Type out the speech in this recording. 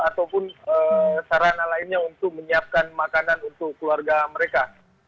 ataupun sarana lainnya untuk menyiapkan makanan untuk keluarga mereka